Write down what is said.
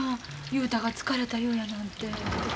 雄太が疲れた言うやなんて。